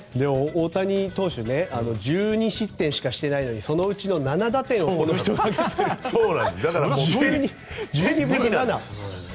大谷投手１２失点しかしていないのにこのうちの７打点をこの人が打っている。